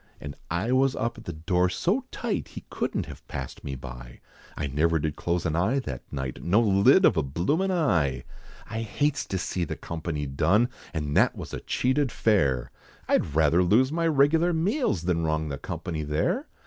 And I was up at the door so tight, He couldn't have passed me by, I never did close an eye that night, No lid of a bloomin' eye! I hates to see the company done, And that was a cheated fare, I'd rather lose my regular meals, Than wrong the company, there!